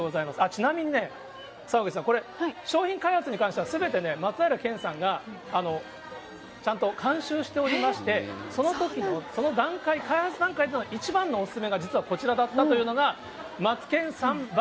ちなみにね、澤口さん、これ商品開発に関してはすべて、松平健さんがちゃんと監修しておりまして、そのときの、その開発段階での一番のお勧めが実はこちらだったというのが、マツケンサンバ！